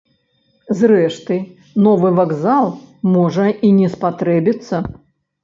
Зрэшты, новы вакзал можа і не спатрэбіцца.